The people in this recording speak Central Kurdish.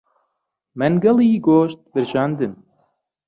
مەنگەڵی گۆشت برژاندن